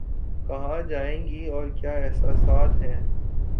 کہاں جائیں گی اور کیا احساسات ہیں